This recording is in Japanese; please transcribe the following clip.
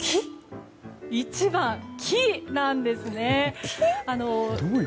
１番、木なんですね。